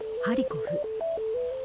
ハリコフ。